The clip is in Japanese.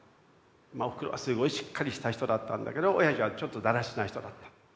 まあおふくろはすごいしっかりした人だったんだけどおやじはちょっとだらしない人だった。